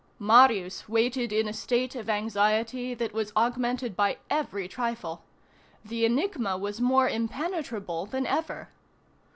Marius waited in a state of anxiety that was augmented by every trifle. The enigma was more impenetrable than ever.